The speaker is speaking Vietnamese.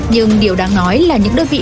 nhưng điều đáng nói là những đơn vị